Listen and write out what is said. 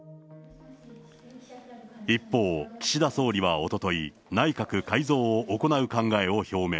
一方、岸田総理はおととい、内閣改造を行う考えを表明。